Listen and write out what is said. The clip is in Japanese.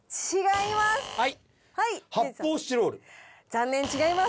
残念違います